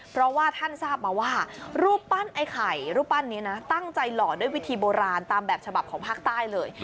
เพราะว่าท่านทราบมาว่ารูปปั้นไอ้ไข่รูปปั้นนี้นะตั้งใจหล่อด้วยวิธีโบราณตามแบบฉบับของภาคใต้เลย